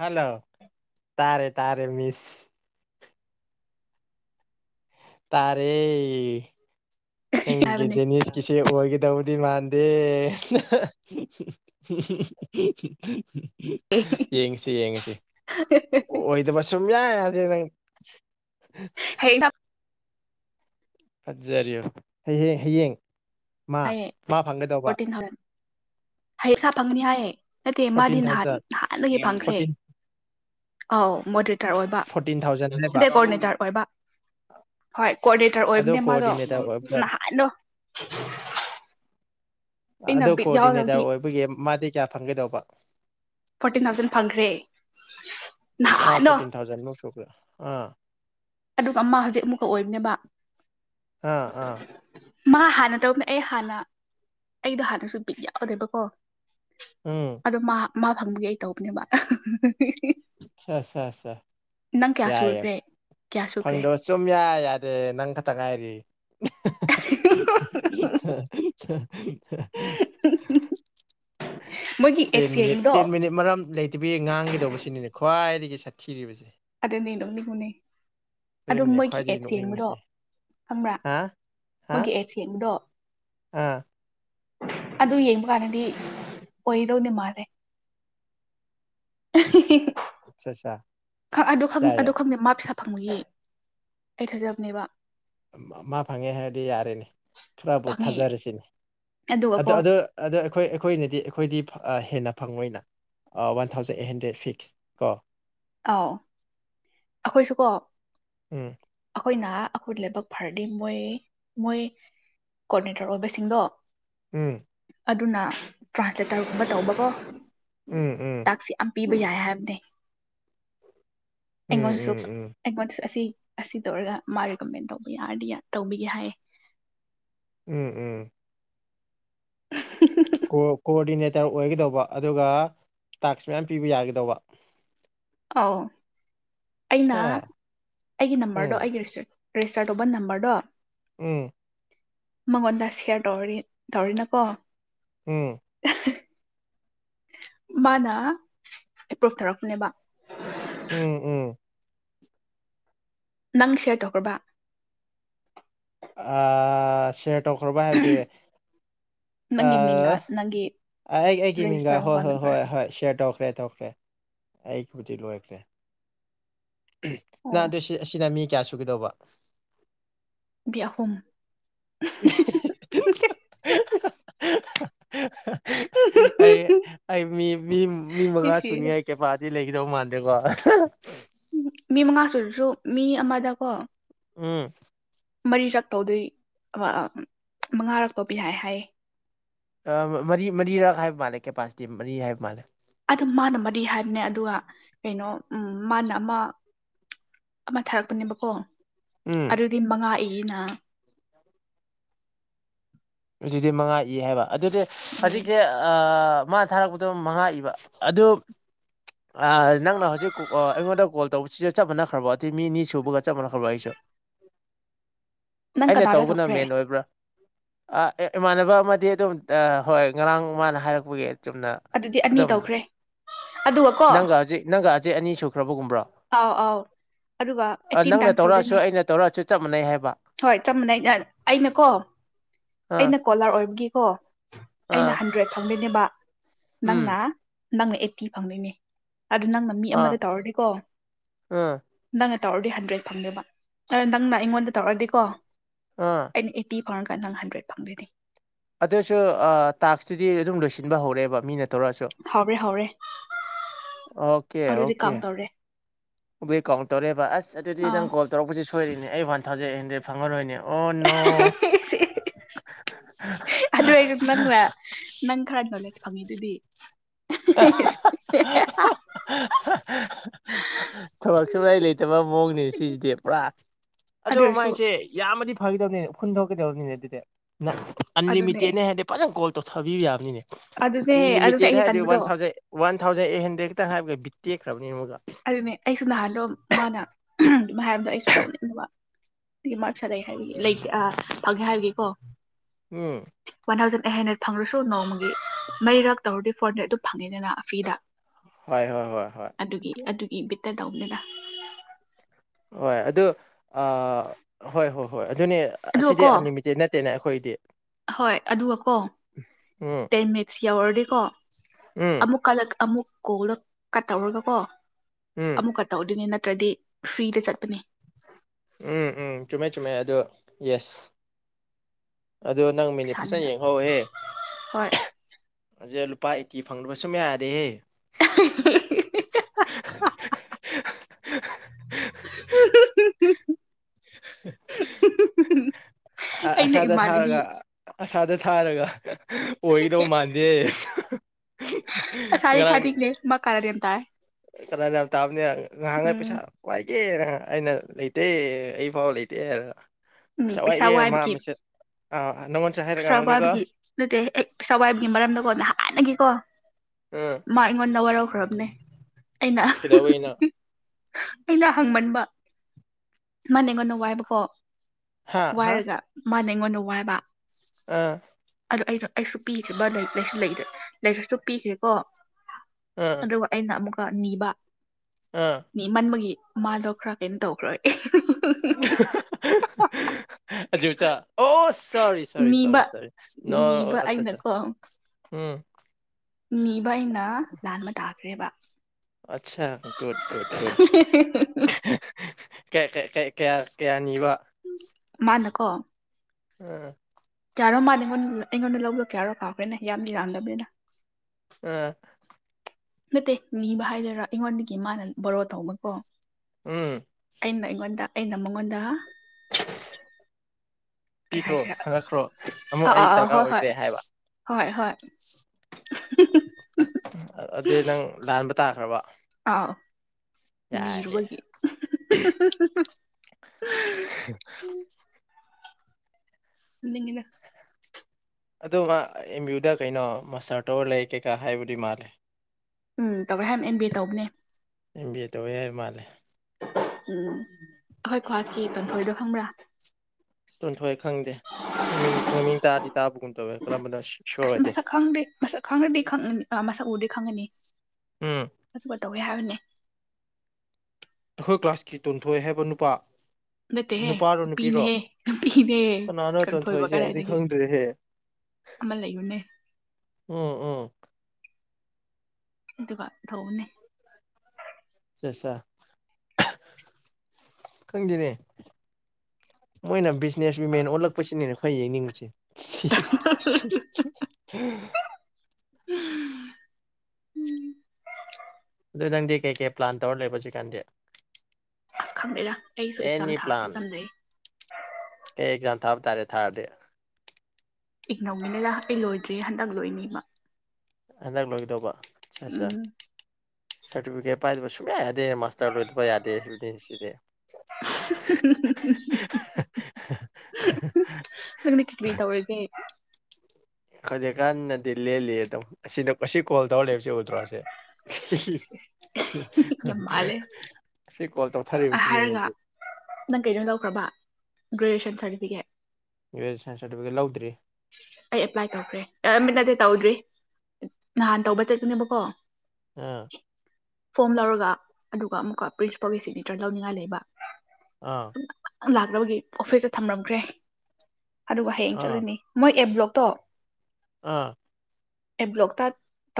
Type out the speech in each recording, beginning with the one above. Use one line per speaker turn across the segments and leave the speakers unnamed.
hello ꯇꯥꯔꯦ ꯇꯥꯔꯦ ꯃꯤꯁ ꯇꯔ ꯅꯪꯦ
ꯍꯥꯏꯕꯅꯦ
ꯅꯤꯁꯀꯤꯁꯤ ꯑꯣꯏꯔꯒꯗ ꯗꯤꯃꯥꯟꯗꯦ ꯌꯦꯡꯁꯤ ꯌꯦꯡꯉꯁꯤ ꯑꯣꯏꯗꯕ ꯁꯨꯝ ꯌꯥꯏ [inaudible]
ꯍꯌꯦꯡ ꯊ
ꯐꯠꯖꯔꯤ ꯍꯌꯦꯡ ꯍꯌꯦꯡ ꯃꯥ ꯃꯥ ꯐꯪꯒꯗꯧꯕ
ꯍꯥꯏꯌꯦꯁ ꯐꯪꯅꯤ ꯍꯥꯏ ꯅꯠꯇꯦ
ꯐꯣꯔꯇꯤꯟ
ꯃꯥꯗꯤ ꯅꯍ
ꯊꯥꯎꯖꯟ
ꯅꯍꯥꯟꯗꯒꯤ ꯐꯪꯈ꯭ꯔꯦ
ꯐꯣꯔꯇꯤꯟ
ꯑꯥꯎ ꯃꯣꯗꯔꯦꯇꯔ ꯑꯣꯏꯕ
ꯐꯣꯔꯇꯤꯟ ꯊꯥꯎꯖꯟ ꯍꯥꯏꯕ
ꯑꯦ ꯀꯣꯗꯤꯅꯦꯇꯔ ꯑꯣꯏꯕ ꯍꯣꯏ ꯀꯣꯔꯑꯣꯗꯤꯅꯦꯇꯔ
ꯑꯗꯨ
ꯑꯣꯏꯕꯅꯦ ꯃꯥꯗꯣ
ꯀꯣꯑꯣꯔꯗꯤꯅꯦꯇꯔ ꯑꯣꯏꯕꯗꯣ
ꯅꯍꯥꯟꯗꯣ ꯑꯩꯅ
ꯑꯗꯣ
ꯕꯤꯠ
ꯀꯣꯑꯣꯗꯤꯅꯦꯇꯔ
ꯌꯥꯎꯗꯕꯒꯤ
ꯑꯣꯏꯕꯒꯤꯦ ꯃꯥꯗꯤ ꯀꯌꯥ ꯐꯪꯒꯦꯗꯧꯕ
ꯐꯣꯔꯇꯤꯟ ꯊꯥꯎꯖꯟ ꯐꯪꯈ꯭ꯔꯦ
ꯃꯥ
ꯅꯍꯥꯟꯗꯣ
ꯐꯣꯔꯇꯤꯟ ꯊꯥꯎꯖꯟ ꯂꯣ ꯁꯣꯛꯈ꯭ꯔ ꯑꯥ
ꯑꯗꯨꯒ ꯃꯥ ꯍꯧꯖꯤꯛ ꯑꯃꯨꯛꯀ ꯑꯣꯏꯕꯅꯦꯕ
ꯑꯥ ꯑꯥ
ꯃꯥ ꯍꯥꯟꯅ ꯇꯧꯕꯅꯦ ꯑꯩ ꯍꯥꯟꯅ ꯑꯩꯗꯣ ꯍꯥꯟꯅꯁꯨ ꯕꯤ ꯌꯥꯎꯒꯗꯕꯀꯣ
ꯎꯝ
ꯑꯗꯣ ꯃꯥ ꯃꯥ ꯐꯪꯕꯒꯤ ꯑꯩ ꯇꯧꯕꯅꯦꯕ ꯅꯪ ꯀꯌꯥ
ꯌꯥꯏꯌꯦꯦ
ꯁꯨꯔꯈ꯭ꯔꯦ ꯀꯌꯥ ꯁꯨꯈ꯭ꯔꯦ
ꯐꯪꯗꯣ ꯆꯨꯝ ꯌꯥꯏ ꯗꯦ ꯅꯪ ꯀ ꯇ ꯉꯥꯏꯔꯤ [inaudible]
ꯃꯣꯏꯒꯤ
ꯇꯦꯟ
ꯑꯦꯠꯁ
ꯃꯤꯅꯤꯠ
ꯌꯦꯡꯕꯗꯣ
ꯇꯦꯟ ꯃꯤꯅꯤꯠ ꯃꯔꯝ ꯂꯩꯇꯕꯤ ꯉꯥꯡꯒꯗꯧꯕ ꯁꯤꯅꯤꯅꯦ ꯈ꯭ꯋꯥꯏꯗꯒꯤ ꯁꯥꯊꯤꯔꯤꯕꯁꯦ
ꯑꯗ ꯅꯅꯣꯅꯤ ꯄꯨꯅꯤ ꯑꯗꯨꯝ
ꯑꯗꯨꯅꯤꯅꯦ
ꯃꯣꯏꯒꯤ
ꯈ꯭ꯋꯥꯏꯗꯒꯤ
ꯑꯦꯠ ꯌꯦꯡꯕꯗꯣ
ꯅꯣꯛꯅꯤꯡꯕꯁꯦ
ꯈꯪꯕ꯭ꯔꯥ
ꯍꯥ ꯍꯥ
ꯃꯣꯏꯒꯤ ꯑꯦꯠ ꯌꯦꯡꯕꯗꯣ
ꯑꯥ
ꯑꯗꯨ ꯌꯦꯡꯕ ꯀꯥꯟꯗꯗꯤ ꯑꯣꯏꯗꯧꯗꯤ ꯃꯥꯜꯂꯦ [unintelligible]
ꯑꯠꯆꯥ ꯑꯠꯆꯥ
ꯑꯗꯣ ꯈꯪ
ꯌꯥꯏꯌꯦ
ꯑꯗꯣ ꯈꯪꯗꯦ ꯃꯥ ꯄꯥ ꯐꯪꯕꯒ ꯑꯩ ꯊꯥꯖꯕꯅꯦꯕ
ꯃꯥ ꯐꯪꯉꯦ ꯍꯥꯏꯔꯗꯤ ꯌꯥꯔꯦꯅꯦ ꯊꯔꯥꯕꯨ
ꯐꯪꯉꯤ
ꯊꯥꯖꯔꯁꯤꯅꯦ
ꯑꯗꯨꯒꯀꯣ
ꯑꯗꯣ ꯑꯗꯣ ꯑꯗꯣ ꯑꯈꯣꯏ ꯑꯈꯣꯏꯅꯗꯤ ꯑꯈꯣꯏꯗꯤ ꯍꯦꯟꯅ ꯐꯪꯉꯣꯏꯅ one thousand eight hundred fix ꯀꯣ
ꯑꯥꯎ ꯑꯈꯣꯏꯁꯨꯀꯣ
ꯎꯝ
ꯑꯈꯣꯏꯅ ꯑꯈꯣꯏ ꯂꯥꯏꯕꯛ ꯐꯔꯗꯤ ꯃꯣꯏ ꯃꯣꯏ ꯀꯣꯔꯗꯤꯅꯦꯇꯔ ꯑꯣꯏꯕꯁꯤꯡꯗꯣ
ꯎꯝ
ꯑꯗꯨꯅ ꯇ꯭ꯔꯥꯟꯁꯂꯦꯇꯔꯒꯨꯝꯕ ꯇꯧꯕ ꯑꯣ
ꯎꯝ ꯎꯝ
ꯇꯥꯛꯁꯤ ꯌꯥꯝ ꯄꯤꯕ ꯌꯥꯏ ꯍꯥꯏꯕꯅꯦ
ꯎꯝ
ꯑꯩꯉꯣꯟꯁꯨ
ꯎꯝ ꯎꯝ
ꯑꯩꯉꯣꯟ ꯑꯁꯤ ꯑꯁꯤ ꯑꯁꯤ ꯇꯧꯔꯒ ꯃꯥ ꯔꯤꯀꯃꯦꯟ ꯇꯧꯕ ꯌꯥꯔꯗꯤ ꯇꯧꯕꯤꯒꯦ ꯍꯥꯏꯌꯦ
ꯎꯝ ꯎꯝ ꯀꯣꯔꯗꯤꯅꯦꯇꯔ ꯇꯔ ꯑꯣꯏꯒꯗꯧꯕ ꯑꯗꯨꯒ ꯇꯥꯛꯁ ꯃꯌꯥꯝ ꯄꯤꯕ ꯌꯥꯒꯗꯧꯕ
ꯑꯧ ꯑꯩꯅ
ꯁꯦ
ꯑꯩꯒꯤ ꯅꯝꯕꯔꯗꯣ
ꯎꯝ
ꯑꯩꯒꯤꯔꯁꯤ ꯔꯦꯖꯤꯁꯇꯥꯔ ꯇꯧꯕ ꯅꯝꯕꯔꯗꯣ
ꯎꯝ
ꯃꯉꯣꯟꯗ ꯁꯦꯌꯥꯔ ꯇꯧꯔꯤ ꯇꯧꯔꯤꯅꯀꯣ
ꯎꯝ
ꯃꯥꯅꯥ ꯑꯦꯄ꯭ꯔꯨꯞ ꯊꯔꯛꯄꯅꯦꯕ
ꯎꯝ ꯎꯝ
ꯅꯪ ꯁꯦꯌꯥꯔ ꯇꯧꯈ꯭ꯔꯕ
ꯑ ꯁꯦꯌꯦ ꯇꯧꯈ꯭ꯔꯕ ꯍꯥꯏꯕꯗꯤ
ꯅꯪꯒꯤ ꯃꯤꯡꯒ ꯅꯪꯒꯤ
ꯑꯩ ꯑꯩꯒꯤ ꯃꯤꯡꯒ
ꯔꯦꯖꯤꯁꯇꯔ
ꯍꯣꯏ
ꯃꯣꯕꯥꯏꯜ
ꯍꯣꯏ
ꯅꯝꯕꯔ
ꯍꯣꯏ ꯍꯣꯏ ꯁꯤꯌꯔ ꯇꯧꯈ꯭ꯔꯦ ꯇꯧꯈ꯭ꯔꯦ ꯇꯧꯈ꯭ꯔꯦ ꯑꯩꯒꯤꯕꯨꯗꯤ ꯂꯣꯏꯈ꯭ꯔꯦ ꯅ
ꯑꯣ
ꯑꯗꯨ ꯑꯁꯤꯅ ꯃꯤ ꯀꯌꯥ ꯁꯨꯒꯗꯧꯕ
ꯃꯤ ꯑꯍꯨꯝ
[unintelligible] ꯑꯩ ꯑꯩ ꯃꯤ ꯃꯤ ꯃꯤ
ꯑꯩ
ꯃꯉꯥ
ꯁꯤꯔꯦꯗ
ꯁꯨꯅꯤꯡꯉꯥꯏ ꯀꯦꯄꯥꯗꯤ ꯂꯩ [unintelligible] ꯃꯥꯥꯟꯗꯦꯀꯣ
ꯎ ꯃꯤ ꯃꯉꯥ ꯁꯨꯔꯁꯨ ꯃꯤ ꯑꯃꯗꯀꯣ
ꯎꯝ
ꯃꯔꯤꯔꯛꯄꯧꯗꯣꯏ ꯃꯉꯥꯔꯛꯄ ꯄ ꯍꯥꯏ ꯍꯥꯏ
ꯃꯔꯤ ꯃꯔꯤꯔꯛ ꯍꯥꯏꯕ ꯃꯥꯜꯂꯦ ꯀꯦꯄꯥꯁꯤꯇꯤ ꯃꯔꯤ ꯍꯥꯏꯕ ꯃꯥꯜꯂꯦ
ꯑꯗꯨ ꯃꯥꯅ ꯃꯔꯤ ꯍꯥꯏꯕꯅꯦ ꯑꯗꯨꯒ ꯀꯩꯅꯣ ꯃꯥꯅ ꯑꯃ ꯑꯃ ꯊꯥꯔꯛꯄꯅꯦꯕꯀꯣ
ꯎꯝ
ꯑꯗꯨꯗꯤ ꯃꯉꯥ ꯑꯩ ꯀꯤꯅ
ꯑꯗꯨꯗꯤ ꯃꯉꯥ ꯏꯏ ꯍꯥꯏꯕ ꯑꯗꯨꯗꯤ
ꯎꯝ
ꯍꯧꯖꯤꯛꯁꯦ ꯃꯥ ꯊꯥꯔꯛꯄꯗꯣ ꯃꯉꯥ ꯏꯕ ꯑꯗꯨ ꯅꯪꯅ ꯍꯧꯖꯤꯛ ꯑꯩꯉꯣꯟꯗ ꯀꯣꯜ ꯇꯧꯕꯁꯤꯁꯨ ꯆꯞ ꯃꯅꯈ꯭ꯔꯕꯣ ꯑꯇꯩ ꯃꯤꯅꯤ ꯁꯨꯕꯒ ꯆꯞ ꯃꯥꯟꯅꯈ꯭ꯔꯕꯣ ꯑꯩꯁꯨ
ꯅꯪ
ꯑꯩꯅ
ꯀꯅꯥꯗ
ꯇꯧꯕꯅ
ꯇꯧꯈ꯭ꯔꯦ
ꯃꯦꯟ ꯑꯣꯏꯕ꯭ꯔꯥ ꯏꯃꯥꯟꯅꯕ ꯑꯃꯗꯤ ꯑꯗꯨꯝ ꯍꯣꯏ ꯉꯔꯥꯡ ꯃꯥꯅ ꯍꯥꯏꯔꯛꯄꯒꯤ
ꯑꯗꯨꯗꯤ ꯑꯅꯤ ꯇꯧꯈ꯭ꯔꯦ ꯑꯗꯨꯒ ꯀꯣ
ꯅꯪ ꯍꯧꯖꯤ ꯅꯪ ꯦꯅꯤ ꯁꯨꯈ꯭ꯔꯕꯒꯨꯝ
ꯑꯥꯎ ꯑꯥꯎ ꯑꯗꯨꯒ ꯑꯩꯠꯇꯤꯟ ꯇꯥꯏꯝꯁ ꯇꯧꯗꯣꯏꯅꯦ
ꯆꯝꯅꯦ ꯍꯥꯏ
ꯍꯣꯏ ꯆꯞ ꯃꯥꯟꯅꯩ ꯑꯩꯅ ꯑꯩꯅꯀꯣ
ꯑꯥ
ꯑꯩꯅ ꯀꯣꯂꯔ ꯑꯣꯏꯕꯒꯤꯀꯣ ꯑꯩꯅ
ꯑꯥ
ꯍꯟꯗ꯭ꯔꯦꯗ ꯐꯪꯗꯣꯏꯅꯦꯕ
ꯎꯝ
ꯅꯪꯅꯥ ꯅꯪꯅ ꯑꯩꯠꯇꯤ ꯐꯪꯗꯣꯏꯅꯦ ꯑꯗꯨ ꯅꯪꯅ ꯃꯤ
ꯑꯥ
ꯑꯃꯗ ꯇꯧꯔꯗꯤꯀꯣ
ꯎꯝ
ꯅꯪꯅ ꯇꯧꯔ ꯍꯟꯗ꯭ꯔꯦ ꯐꯪꯗꯕ ꯅꯪ ꯑꯩꯣꯟꯗ ꯇꯧꯔꯗꯤꯀꯣ
ꯑꯥ
ꯑꯦꯩꯅꯇ ꯐꯪꯔꯒ ꯅꯪ ꯍꯟꯗ꯭ꯔꯦꯗ ꯐꯪꯗꯣꯏꯅꯤ
ꯑꯗꯨꯁꯨ ꯇꯥꯛꯁꯇꯨꯗꯤ ꯑꯗꯨꯝ ꯂꯣꯏꯁꯤꯟꯕ ꯍꯧꯔꯦꯕ ꯃꯤꯅ ꯇꯧꯔꯛꯑꯁꯨ
ꯍꯥꯎꯔꯦ ꯍꯥꯎꯔꯦ ꯑꯗꯨꯗꯤ ꯀꯝ ꯇꯧꯔꯦ
ꯕꯦ ꯀꯥꯎꯟ ꯇꯧꯔꯦꯕ ꯑꯁ ꯑꯗꯨꯗꯤ
ꯑꯥ
ꯅꯪ ꯀꯣꯜ ꯇꯧꯔꯛꯄꯁꯤ ꯁꯣꯏꯔꯤꯅꯦ ꯑꯩ ꯋꯥꯟ ꯊꯥꯎꯖꯟ ꯑꯩꯟꯗ꯭ꯔꯦꯗ ꯐꯪꯉꯔꯣꯏꯅꯦ ꯑꯣ ꯅꯣ
ꯑꯗꯨꯁꯨ ꯅꯪ ꯅꯪ ꯈꯔꯗ ꯅꯣꯅꯦ ꯐꯪꯉꯤꯗꯨꯗꯤ
ꯊꯕꯛ ꯁꯨꯂꯥꯏ ꯂꯩꯇꯕ ꯃꯑꯣꯡꯅꯤ ꯁꯤꯁꯤꯗꯤ ꯄꯨꯔꯥ
ꯑꯗꯨ
ꯑ
ꯑꯣꯏꯔꯁꯨ
ꯃꯥꯏꯁꯦ ꯌꯥꯝꯕꯗꯤ ꯐꯥꯈꯤꯗꯕꯅꯤꯅꯦ ꯐꯨꯟ ꯊꯣꯛꯀꯗꯕꯅꯤꯅꯦ ꯑꯗꯨꯗꯤ
ꯑꯗꯨꯅꯦ
ꯑꯟꯂꯤꯃꯤꯇꯅꯦ ꯍꯥꯏꯗꯤ ꯄꯖꯪ ꯀꯣ ꯇꯣꯊꯥꯕꯤꯕ ꯌꯥꯕꯅꯤꯅꯦ
ꯑꯗꯨꯅꯦ ꯑꯗꯨꯗꯤ
ꯑꯟꯂꯤꯃꯤꯇꯦꯠ
ꯑꯩꯩꯅ
ꯍꯥꯏꯔꯗꯤ
ꯇꯟꯗꯣ
one thousand one thousand eight ꯍꯟꯗ꯭ꯔꯦꯗꯛꯇꯪ ꯍꯥꯏꯕꯒ ꯕꯤꯇꯦꯛ ꯈ꯭ꯔꯅꯤ ꯃꯨꯛ
ꯑꯗꯨꯅꯦ ꯑꯩꯁꯨ ꯅꯍꯥꯟꯂꯣ ꯃꯥꯅ ꯍꯥꯏꯕꯗꯣ ꯑꯩꯁꯨ ꯇꯧꯅꯤꯡꯗꯕ ꯃꯥꯁ ꯂꯩ ꯍꯥꯏꯕ ꯂꯩꯦ ꯐꯪꯒꯦ ꯍꯥꯏꯕꯒꯤꯀꯣ
ꯎꯝ
ꯋꯥꯟ ꯊꯥꯎꯖꯟ ꯑꯩ ꯍꯟꯗ꯭ꯔꯦꯗ ꯐꯪꯗ꯭ꯔꯁꯨ ꯅꯣꯡꯃꯒꯤ ꯃꯩꯔꯛ ꯇꯧꯔꯗꯤ ꯐꯣꯔ ꯍꯟꯗ꯭ꯔꯦꯗ ꯑꯗꯨꯝ ꯐꯪꯅꯤꯗꯅ ꯑꯐꯤꯗ
ꯍꯣꯏ ꯍꯣꯏ ꯍꯣꯏ ꯍꯣꯏ
ꯑꯗꯨꯒꯤ ꯏ ꯠꯇ ꯇꯧꯅꯤꯗ
ꯍꯣꯏ ꯑꯗꯨ ꯍꯣꯏ ꯍꯣꯏ ꯍꯣꯏ ꯑꯗꯨ
ꯑꯗꯨꯒꯀꯣ ꯍꯣꯏ ꯑꯗꯨꯒꯀꯣ
ꯎꯝ
ꯇꯦꯟ ꯃꯤꯅꯤꯠꯁ ꯌꯥꯎꯔꯗꯤꯀꯣ
ꯎꯝ
ꯑꯃꯨꯛ ꯀꯂꯛ ꯑꯃꯨꯛ ꯀꯣꯜꯗꯣ ꯀꯠ ꯇꯧꯔꯒ ꯀꯣ
ꯎꯝ
ꯑꯃꯨꯛꯀ ꯇ ꯑꯣꯏꯗꯤꯅꯤ ꯅ ꯅꯠꯇ꯭ꯔꯗꯤ ꯐ꯭ꯔꯤꯗ ꯆꯠꯄꯅꯤ
ꯎꯝ ꯎꯝ ꯆꯨꯝꯃꯦ ꯆꯨꯝꯃꯦ ꯑꯗꯣ ꯌꯦꯁ ꯑꯗ ꯅꯪ ꯃꯤꯅꯤꯠ ꯐꯖꯅ
ꯄꯩꯁꯥꯅꯤꯅ
ꯌꯦꯡꯍꯧꯍꯦ
ꯍꯣꯏ
ꯑꯁꯦ ꯂꯨꯄꯥ ꯑꯩꯠꯇꯤ ꯐꯪꯅꯕ ꯁꯨꯝ ꯌꯥꯔꯦꯍꯦ
[inaudible] [inaudible] ꯑꯩꯅ
ꯑꯁꯥꯗ
ꯏꯃꯥꯟꯅꯕꯤ
ꯁꯥꯔꯒ ꯑꯁꯥꯗ ꯊꯥꯔꯒ ꯑꯣꯏꯒꯗꯧ ꯃꯥꯟꯗꯦ
ꯑꯁꯔ ꯏ ꯊꯥ
ꯉꯔꯥꯡ
ꯊꯅꯦ ꯃ ꯀꯥꯔꯅꯤꯟ ꯇꯔ
ꯀꯅꯥꯅ ꯌꯥꯝ ꯇꯥꯕꯅꯦ ꯉꯥꯏꯍꯥꯡꯉ ꯄꯩꯁꯥ ꯋꯥꯏꯒꯦ ꯏ ꯑꯩꯅ ꯂꯩꯇꯦ ꯑꯩ ꯐꯥꯎꯕ ꯂꯩꯇꯦ ꯍꯥꯏꯔ
ꯎꯝ ꯄꯩꯁꯥ ꯋꯥꯏꯕꯒꯤ
ꯑ
ꯄꯁꯥ ꯄꯏꯕꯒꯤ ꯅꯠꯇꯦ ꯑꯦ ꯄꯤꯁꯥ ꯄꯏꯕꯒꯤ ꯃꯔꯝꯗꯀꯣ ꯅ ꯍꯥꯏꯥꯟꯅꯒꯤꯀꯣ
ꯎꯝ
ꯃꯥ ꯑꯩꯉꯣꯟꯗ ꯋꯥꯔꯧꯈ꯭ꯔꯕ ꯅꯦ ꯑꯩꯅ
ꯀꯩꯗꯧꯕꯩꯅꯣ
ꯑꯩꯅ ꯍꯪꯃꯟꯕ ꯃꯥꯅꯦꯉꯟꯅ ꯋꯥꯏꯕꯀꯣ
ꯍꯥ ꯍꯥ
ꯋꯥꯔꯒ ꯃꯅꯦ ꯑꯩꯉꯣꯟꯗ ꯋꯥꯏꯕ
ꯑꯥ
ꯑꯗꯨ ꯑꯩꯅ ꯑꯩꯁꯨ ꯄꯤꯔꯤꯕ ꯂꯩꯕꯁꯨ ꯄꯤꯈ꯭ꯔꯦꯀꯣ
ꯑꯥ
ꯑꯗꯨꯒ ꯑꯩꯅ ꯑꯃꯨꯛ ꯀꯅꯤꯕ
ꯑꯥ
ꯅꯦꯝꯃꯟꯕꯒꯤ ꯃꯥꯗꯣ ꯈꯔ ꯀꯩꯅꯣ ꯇꯧꯈ꯭ꯔꯣꯏ
ꯖꯤꯆꯥ ꯑꯣ ꯁꯣꯔꯤ ꯁꯣꯔꯤ ꯁꯣꯔꯤ
ꯅꯤꯕ
ꯁꯣꯔꯤ ꯅꯣ
ꯅꯤꯕ
ꯑꯥꯠꯆꯆꯥ
ꯑꯩꯅꯀꯣ
ꯎꯝ
ꯎꯝ ꯑꯩꯅ ꯂꯥꯟꯕ ꯇꯥꯈ꯭ꯔꯦꯕ
ꯑꯆꯥ ꯒꯨꯗ ꯒꯨꯗ ꯀꯦ ꯀ ꯀ ꯀꯌꯥ ꯀꯌꯥ ꯅꯤꯕ
ꯃꯥꯅ ꯀꯣ
ꯑꯝ
ꯌꯥꯔꯣ ꯃꯥꯜꯅꯤꯉꯣꯟ ꯑꯩꯉꯣꯟꯗ ꯂꯧꯗ ꯀ ꯌꯥꯔꯣ ꯀꯥꯎꯈ꯭ꯔꯦꯅꯦ ꯌꯥꯝꯗꯤ ꯌꯥꯝꯗꯕꯅꯤꯗ
ꯑ
ꯅꯠꯇꯦ ꯅꯤꯕ ꯍꯥꯏꯗꯣꯏꯔꯥ ꯑꯩꯉꯣꯟꯗꯒꯤ ꯃꯥꯅ ꯕꯣꯔꯣ ꯇꯧꯕꯀꯣ
ꯎꯝ
ꯑꯩꯅ ꯑꯩꯉꯣꯟꯗ ꯑꯩꯅ ꯃꯉꯣꯟꯗ
[unintelligible]
ꯀꯩ
ꯄꯤꯈ꯭ꯔꯣ
ꯍꯥꯏꯁꯤꯔꯥ
ꯍꯪꯉꯛꯈ꯭ꯔꯣ ꯑꯃꯨꯛ
ꯑꯥ
ꯑꯩ
ꯑꯥ ꯑꯥ
ꯗꯔꯀꯥꯔ
ꯍꯣꯏ ꯍꯣꯏ
ꯑꯣꯏꯈꯔ꯭ꯦ ꯍꯥꯏꯕ
ꯍꯣꯏ ꯍꯣꯏ
ꯑꯗꯨ ꯅꯪ ꯂꯥꯟꯕꯗ ꯇꯥꯈ꯭ꯔꯕ
ꯍꯥ
ꯌꯥꯏ ꯌꯥꯏ
ꯅꯤꯔꯨꯕꯒꯤ
[unintelligible]
ꯏ ꯏꯉꯅ
ꯑꯗꯨ ꯃꯥ ꯑꯦꯝ ꯌꯌꯨꯗ ꯀꯩꯅꯣ ꯃꯁꯇꯔꯇꯔ ꯂꯩ ꯀꯩꯀꯥ ꯍꯥꯏꯕꯨꯗꯤ ꯃꯥꯜꯂꯦ
ꯎꯝ ꯇꯧꯔꯦ ꯍꯥꯏꯃꯦ ꯑꯦꯝ ꯕꯤ ꯑꯦ ꯇꯧꯕꯅꯦ
ꯑꯦꯝ ꯕꯤ ꯑꯦ ꯇꯧꯋꯦ ꯌꯥꯏ ꯃꯥꯜꯂꯦ
ꯎꯝ ꯑꯩꯍꯣꯏ ꯐꯔꯁꯠꯀꯤ ꯇꯥꯟꯊꯣꯏꯗꯣ ꯈꯪꯕ꯭ꯔꯥ
ꯇꯣꯟꯊꯣꯏ ꯈꯪꯗꯦ ꯃꯃꯤꯡ ꯃꯃꯤꯡ ꯇꯥꯔꯗꯤ ꯇꯥꯕꯒꯨꯝ ꯇꯧꯋꯦ ꯀꯔꯝꯕꯅꯣ ꯁꯤꯌꯣꯔ
ꯑꯁ
ꯑꯣꯏꯗꯦ
ꯃꯁꯛ ꯈꯪꯗꯦ ꯈꯪꯒꯅꯤ
ꯎꯝ
ꯑꯗꯨꯒ ꯇꯧꯋꯦ ꯍꯥꯏꯕꯅꯦ
ꯅꯈꯣꯏ ꯀ꯭ꯂꯥꯁꯀꯤ ꯇꯣꯟꯊꯣꯏ ꯍꯥꯏꯕ ꯅꯨꯄꯥ
ꯅꯠꯇꯦꯍꯦ
ꯅꯨꯄꯥꯔꯣ ꯅꯨꯄꯤꯔꯣ
ꯅꯨꯄꯤꯅꯦꯍꯦ ꯅꯨꯄꯤꯅꯦꯍꯦ
ꯀꯅꯥꯅꯣ
ꯀꯩꯅꯣ ꯇꯣꯟꯊꯣꯏ
ꯇꯣꯟꯊꯣꯏꯁꯦ ꯑꯩꯗꯤ
ꯀꯗꯥꯥꯏꯗꯒꯤ
ꯈꯪꯗ꯭ꯔꯦꯍꯦ
ꯑꯃ ꯂꯩꯕꯅꯦ
ꯎꯝ ꯎꯝ
ꯑꯗꯨꯒ ꯇꯧꯕꯅꯦ
ꯌꯦꯁꯥ ꯈꯪꯗꯦꯅꯦ ꯃꯣꯏꯅ ꯕꯤꯖꯤꯅꯦꯁ ꯋꯤꯃꯦꯟ ꯑꯣꯜꯂꯛꯄꯁꯤꯅꯦ ꯑꯩꯈꯣꯏꯅ ꯌꯦꯡꯅꯤꯡꯕꯁꯦ [unintelligible]
ꯎꯝ
ꯑꯗꯨ ꯅꯪꯗꯤ ꯀꯩꯀꯩ ꯄ꯭ꯂꯥꯟ ꯇꯧꯔ ꯂꯩꯕ ꯍꯧꯖꯤꯛ ꯀꯥꯟꯗꯤ
ꯑꯁ ꯈꯪꯗꯦꯗ ꯑꯩꯁꯨ ꯑꯦꯛꯖꯥꯝ ꯊꯥ
ꯄ꯭ꯂꯥꯟ
ꯑꯦꯛꯖꯥꯝ ꯂꯩ
ꯀꯩ ꯑꯦꯛꯖꯥꯝ ꯊꯥꯕ ꯇꯥꯔꯦ ꯊꯥꯔꯗꯤ
ꯏꯛꯅꯧꯒꯝꯅꯤꯗ ꯑꯩ ꯂꯣꯏꯗ꯭ꯔꯤ ꯍꯟꯗꯛ ꯂꯣꯏꯅꯦꯕ
ꯍꯟꯗꯛ ꯂꯣꯏꯒꯗꯧꯕ ꯑꯁꯥ ꯁꯥ
ꯎꯝ
ꯁꯔꯇꯤꯐꯤꯒꯦꯠ ꯄꯥꯏꯗꯥꯕ ꯁꯨꯛꯌꯥ ꯌꯥꯗꯦ ꯗꯦ ꯃꯥꯁꯇꯔ ꯂꯣꯏꯗꯕ ꯌꯥꯗꯦ ꯍꯥꯏꯕꯅꯤ ꯁꯤꯗꯤ [unintelligible]
ꯅꯪꯗꯤ ꯀꯔꯤ ꯀꯔꯤ ꯇꯧꯔꯒꯦ
ꯍꯧꯖꯤꯛ ꯀꯥꯟꯗꯗꯤ ꯗꯤꯜ ꯂꯦꯜꯂꯤ ꯑꯗꯨꯝ ꯑꯁꯤꯗ ꯑꯁꯤ ꯀꯣꯜ ꯇꯧ ꯂꯩꯕꯁꯦ ꯎꯗ꯭ꯔꯣ
ꯑꯦꯁ ꯑꯦꯁ ꯑꯦꯁ ꯌꯥꯝ ꯃꯥꯜꯂꯦ
ꯁꯤ ꯀꯣꯜ ꯇꯧ
ꯍꯥꯏꯔꯒ ꯅꯪ ꯀꯩꯩꯅꯣ ꯂꯧꯈ꯭ꯔꯕ ꯒ꯭ꯔꯦꯖꯨꯌꯦꯁꯟ ꯁꯥꯔꯇꯤꯐꯤꯀꯦꯠ
ꯚ꯭ꯔꯦꯖꯨꯌꯦꯁꯟ ꯁꯥꯔꯇꯤꯐꯤꯀꯦꯠ ꯂꯧꯗ꯭ꯔꯤ
ꯑꯩ ꯑꯦꯄ꯭ꯂꯥꯏ ꯇꯧꯈ꯭ꯔꯦ ꯑ ꯑꯅꯠꯇꯦ ꯇꯧꯗ꯭ꯔꯤ ꯅꯍꯥꯟ ꯇꯧꯕ ꯆꯠꯄꯅꯦꯕꯀꯣ
ꯑꯥ
ꯐꯣꯝ ꯂꯧꯔꯒ ꯑꯗꯨꯒ ꯑꯃꯨꯛꯀ ꯄ꯭ꯔꯤꯟꯁꯤꯄꯥꯜꯒꯤ ꯁꯤꯛꯅꯦꯆꯔ ꯂꯧꯅꯤꯡꯉꯥꯏ ꯂꯩꯕ
ꯑꯥ
ꯂꯥꯛꯅꯕꯒꯤ ꯑꯣꯐꯤꯁꯇ ꯊꯝꯂꯝꯈ꯭ꯔꯦ ꯑꯗꯨꯒ ꯍꯌꯦꯡ
ꯑꯥ
ꯆꯠꯂꯅꯤ ꯃꯣꯏ ꯑꯦ ꯕ꯭ꯂꯣꯛꯇꯣ
ꯑꯥ
ꯑꯦ ꯕ꯭ꯂꯣꯛꯇ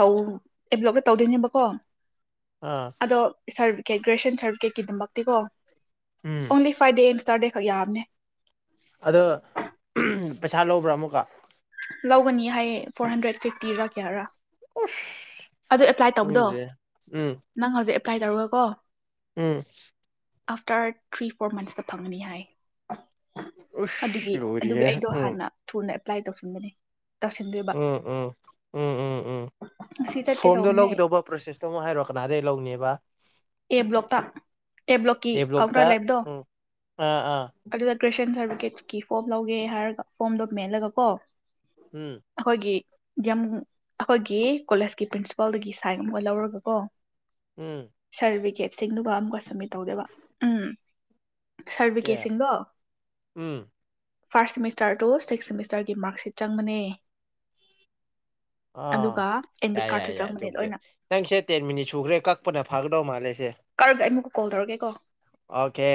ꯇꯧ ꯑꯦ ꯕ꯭ꯂꯣꯛꯇ ꯗꯧ ꯅꯦꯕꯀꯣ
ꯑꯥ
ꯑꯗꯣ ꯁꯔ ꯀꯦꯛ ꯒ꯭ꯔꯦꯁꯟ ꯁꯔꯇꯤꯐꯤꯀꯦꯠ ꯒꯤꯗꯃꯛꯇꯤꯀꯣ
ꯎꯝ
ꯑꯣꯟꯂꯤ ꯐꯥꯏꯚ ꯗꯦꯁ ꯇꯔꯗꯦ ꯈꯛ ꯌꯥꯕꯅꯦ
ꯑꯗꯣ ꯄꯩꯁꯥ ꯂꯧꯕ꯭ꯔꯥ ꯑꯃꯨꯛꯀ
ꯂꯧꯒꯅꯤ ꯍꯥꯏꯌꯦ ꯐꯣꯔ ꯍꯟꯗ꯭ꯔꯦꯠ ꯐꯤꯐꯇꯤꯔꯥ ꯀꯌꯥꯔꯥ
ꯎꯁ
ꯑꯗꯨ ꯑꯦꯄ꯭ꯂꯥꯏ
ꯈꯪꯗꯦ ꯎꯝ
ꯀꯥꯏ ꯇꯧꯔꯣ ꯀꯣ
ꯎꯝ
ꯑꯥꯐꯇꯔ ꯊ꯭ꯔꯤ ꯐꯣꯔ ꯃꯟꯁꯇ ꯐꯪꯒꯅꯤ ꯍꯥꯏ ꯑꯗꯨꯒꯤ
ꯎꯁ ꯂꯣꯏꯔꯤꯍꯦ
ꯑꯗꯨꯒꯤ ꯑꯩꯗꯣ
ꯎꯝ
ꯍꯥꯟꯅ ꯊꯨꯅ ꯂꯥꯏ ꯇꯧꯁꯤ ꯎꯒꯅꯤ
ꯎꯝ ꯎꯝ ꯎꯝ ꯎꯝ ꯎꯝ
ꯉꯁꯤ ꯆꯠꯀꯦ
ꯁꯣꯝꯗ
ꯇꯧꯕꯅꯦ
ꯂꯧꯒꯗꯧꯕ ꯄ꯭ꯔꯣꯁꯦꯁꯇꯨ ꯑꯃꯨꯛ ꯍꯥꯏꯔꯣ ꯀꯅꯥꯗꯒꯤ ꯂꯧꯅꯦꯕ
ꯑꯦ ꯕ꯭ꯂꯣꯛꯇ ꯑꯦ ꯕ꯭ꯂꯣꯛꯀꯤ
ꯕ꯭ꯂꯣꯛꯇ
ꯀꯥꯎꯟꯇꯔ ꯂꯩꯕꯗꯣ
ꯎꯝ ꯑꯥ ꯑꯥ
ꯑꯗꯨꯗ ꯒ꯭ꯔꯦꯁꯟ ꯁꯔꯇꯤꯐꯤꯀꯦꯠꯀꯤ ꯐꯣꯔ꯭ꯃ ꯂꯧ ꯑꯦ ꯍꯥꯏꯔꯒ ꯐꯣꯝꯗꯣ ꯃꯦꯜꯂꯒ ꯀꯣ
ꯎꯝ
ꯑꯩꯈꯣꯏꯒꯤ ꯌꯥꯝ ꯑꯩꯈꯣꯏꯒꯤ ꯀꯣꯂꯦꯖꯀꯤ ꯄ꯭ꯔꯤꯟꯁꯤꯄꯥꯜꯗꯒꯤ ꯁꯥꯏꯟ ꯑꯃꯒ ꯂꯧꯔꯒꯀꯣ
ꯎꯝ
ꯁꯔ꯭ꯕꯤꯒꯦꯠ ꯁꯤꯡꯗꯨꯒ ꯑꯃꯨꯛꯀ ꯁꯃꯤꯠ ꯇꯧꯗꯦꯕ ꯎꯝ ꯁꯔ
ꯀꯦ ꯎꯝ
ꯐꯥꯔ꯭ꯁ ꯁꯦꯃꯤꯁꯇꯔ ꯇꯨ ꯁꯤꯛꯁ ꯁꯦꯃꯤꯁꯇꯔꯒꯤ ꯃꯥꯔꯛꯁꯤꯠ ꯆꯪꯕꯅꯦ
ꯑꯥ
ꯑꯗꯨꯒ ꯑꯦꯟꯕꯤꯠ
ꯌꯥꯏ ꯌꯥꯏ
ꯀꯥꯔꯠꯁꯨ
ꯌꯥꯏ
ꯆꯪꯕꯅꯦ
ꯑꯗꯨꯕꯨꯗꯤ
ꯂꯣꯏꯅ
ꯅꯪꯁꯦ ꯇꯦꯟ ꯃꯤꯅꯤꯠ ꯁꯨꯈ꯭ꯔꯦ ꯀꯛꯄꯅ ꯐꯒꯗꯧ ꯃꯥꯜꯂꯦꯁꯦ
ꯀꯛꯔꯒ ꯑꯩ ꯃꯨꯛ ꯀꯣꯜ ꯇꯧꯔꯛꯀꯦꯀꯣ
ꯑꯣꯀꯦ